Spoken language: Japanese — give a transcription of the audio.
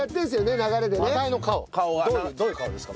どういう顔ですか？